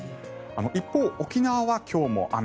一方、沖縄は今日も雨。